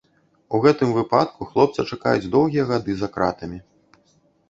У гэтым выпадку хлопца чакаюць доўгія гады за кратамі.